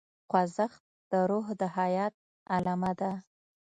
خوځښت د روح د حیات علامه ده.